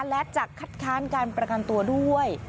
และจะคัดค้านการประกันตัวด้วย